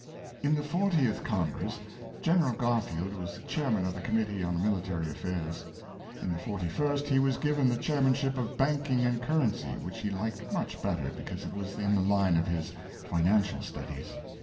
In the fortieth Congress Gen. Garfield was chairman of the Committee on Military Affairs. In the forty first he was given the chairmanship of Banking and Currency, which he liked much better, because it was in the line of his financial studies.